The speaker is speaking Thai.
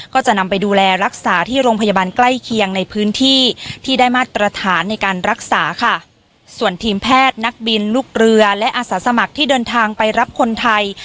ก็จะนำไปดูแลรักษาที่โรงพยาบาลใกล้เคียงในพื้นที่ที่ได้มาตรฐานในการรักษาค่ะส่วนทีมแพทย์นักบินลูกเรือและอาสาสมัครที่เดินทางไปรับคนไทย